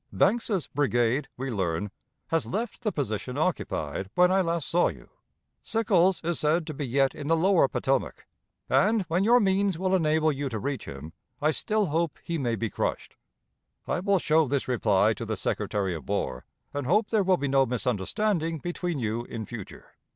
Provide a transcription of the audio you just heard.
"Banks's brigade, we learn, has left the position occupied when I last saw you. Sickles is said to be yet in the lower Potomac, and, when your means will enable you to reach him, I still hope he may be crushed. "I will show this reply to the Secretary of War, and hope there will be no misunderstanding between you in future.